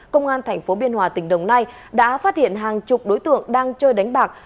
công an tp biên hòa tỉnh đồng nai đã phát hiện hàng chục đối tượng đang chơi đánh bạc